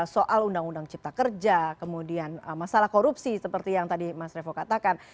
soal undang undang cipta kerja kemudian masalah korupsi seperti yang tadi mas revo katakan